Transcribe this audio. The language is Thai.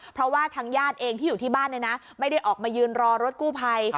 เพราะว่าทางญาติเองที่อยู่ที่บ้านไม่ได้ออกมายืนรอรถกู้ภัย